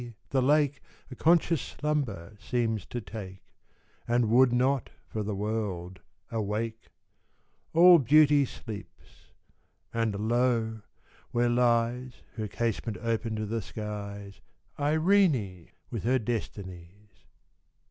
the lake A conscious slumber seems to take, And would not, for the world, awake. All beauty sleeps! and lo! where lies Irene, with her destinies!